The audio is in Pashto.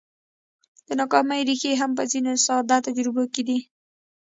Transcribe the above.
د ناکامۍ ريښې هم په ځينو ساده تجربو کې دي.